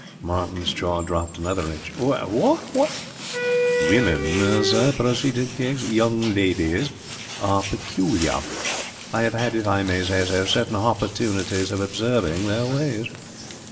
Martin's jaw dropped another inch. 'Wha a ' 'Women, sir,' proceeded Keggs, 'young ladies are peculiar. I have had, if I may say so, certain hopportunities of observing their ways.